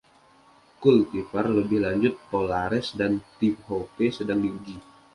Kultivar lebih lanjut 'Polares' dan 'Tihope' sedang diuji.